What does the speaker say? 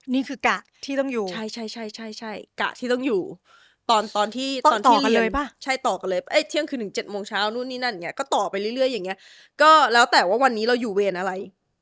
นี่คือกะที่ต้องอยู่ใช่ใช่กะที่ต้องอยู่ตอนตอนที่ตอนต่อกันเลยป่ะใช่ต่อกันเลยเที่ยงคืนถึง๗โมงเช้านู่นนี่นั่นเนี่ยก็ต่อไปเรื่อยอย่างนี้ก็แล้วแต่ว่าวันนี้เราอยู่เวรอะไร